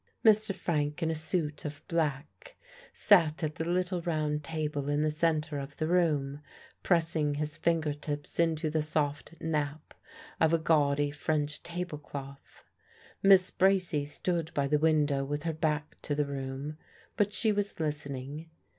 Mr. Frank, in a suit of black, sat at the little round table in the centre of the room, pressing his finger tips into the soft nap of a gaudy French table cloth. Miss Bracy stood by the window with her back to the room, but she was listening.